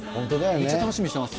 めっちゃ楽しみにしてます。